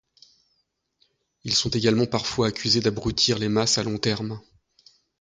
Ils sont également parfois accusés d'abrutir les masses à long terme.